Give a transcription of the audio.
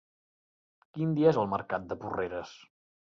Quin dia és el mercat de Porreres?